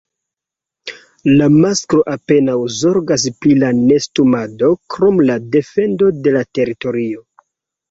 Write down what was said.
La masklo apenaŭ zorgas pri la nestumado krom la defendo de la teritorio.